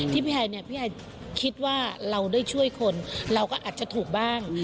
พี่ไอเนี่ยพี่ไอคิดว่าเราได้ช่วยคนเราก็อาจจะถูกบ้าง